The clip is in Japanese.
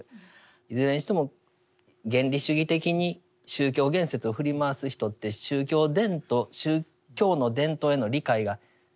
いずれにしても原理主義的に宗教言説を振り回す人って宗教伝統宗教の伝統への理解がシンプルすぎるんですよね。